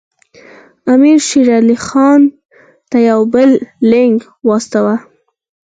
امیر شېر علي خان ته یو بل لیک واستاوه.